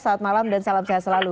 selamat malam dan salam sehat selalu